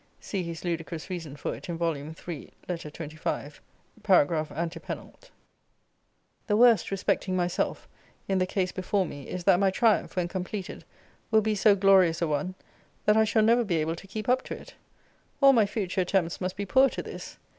See his ludicrous reason for it in Vol. III. Letter XXV. Paragr. antepenult. The worst respecting myself, in the case before me, is that my triumph, when completed, will be so glorious a one, that I shall never be able to keep up to it. All my future attempts must be poor to this.